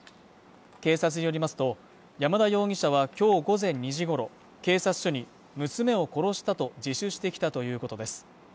警察によりますと山田容疑者は今日午前２時ごろ警察署に娘を殺したと自首してきたということです